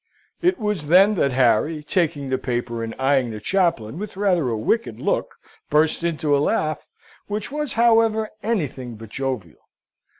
It was then that Harry, taking the paper and eyeing the chaplain with rather a wicked look, burst into a laugh, which was, however, anything but jovial.